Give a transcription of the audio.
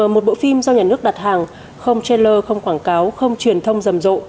một bộ phim do nhà nước đặt hàng không trailer không quảng cáo không truyền thông rầm rộ